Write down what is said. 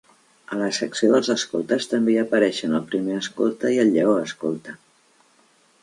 A la Secció dels Escoltes també hi apareixen el Primer Escolta i el Lleó Escolta.